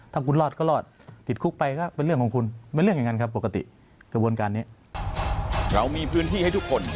ถ้าคุณรอดก็รอดติดคุกไปก็เป็นเรื่องของคุณ